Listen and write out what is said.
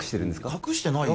隠してないよ